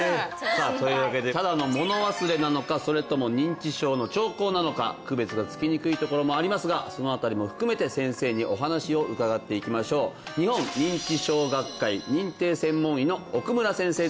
さあというわけでただのもの忘れなのかそれとも認知症の兆候なのか区別がつきにくいところもありますがその辺りも含めて先生にお話を伺っていきましょう日本認知症学会認定専門医の奥村先生です